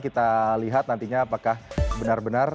kita lihat nantinya apakah benar benar